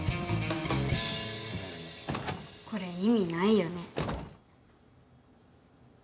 これ意味ないよね。